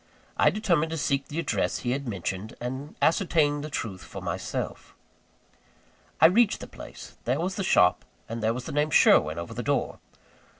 I determined to seek the address he had mentioned, and ascertain the truth for myself. I reached the place: there was the shop, and there the name "Sherwin" over the door.